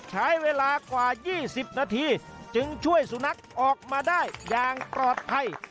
ใช้เวลากว่า๒๐นาทีจึงช่วยสุนัขออกมาได้อย่างปลอดภัย